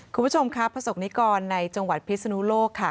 คุณผู้ชมครับประสบนิกรในจังหวัดพิศนุโลกค่ะ